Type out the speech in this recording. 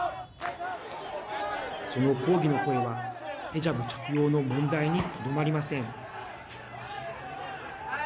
その抗議の声はヘジャブ着用の問題にとどまりません。